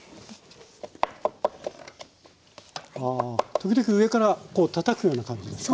時々上からたたくような感じですか？